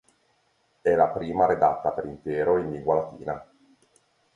È la prima redatta per intero in lingua latina.